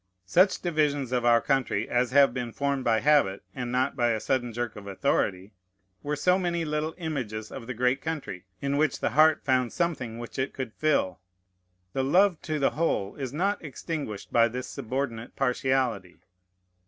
Such divisions of our country as have been formed by habit, and not by a sudden jerk of authority, were so many little images of the great country, in which the heart found something which it could fill. The love to the whole is not extinguished by this subordinate partiality.